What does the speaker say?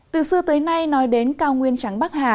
từ xưa tới nay nói đến cao nguyên trắng bắc hà